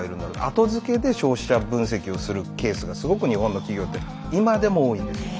後付けで消費者分析をするケースがすごく日本の企業って今でも多いんですよ。